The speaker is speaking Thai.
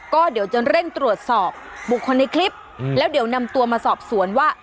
ก็เดี๋ยวจะเร่งตรวจสอบบุคคลในคลิปแล้วเดี๋ยวนำตัวมาสอบสวนว่า